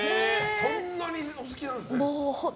そんなにお好きなんですね。